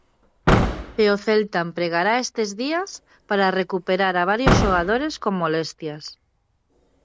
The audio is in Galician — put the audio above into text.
E o Celta empregará estes días para recuperar a varios xogadores con molestias.